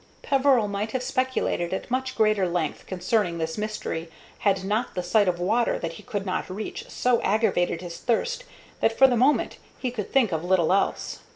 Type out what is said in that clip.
Peveril might have speculated at much greater length concerning this mystery had not the sight of water that he could not reach so aggravated his thirst that for the moment he could think of little else.